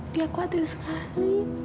dia khawatir sekali